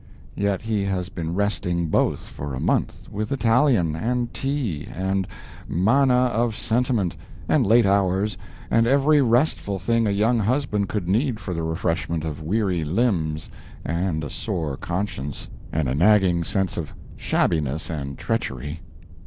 Yet he has been resting both for a month, with Italian, and tea, and manna of sentiment, and late hours, and every restful thing a young husband could need for the refreshment of weary limbs and a sore conscience, and a nagging sense of shabbiness and treachery.